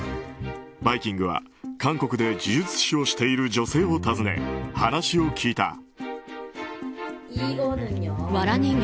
「バイキング」では韓国で呪術師をしている女性を訪ね話を聞いた。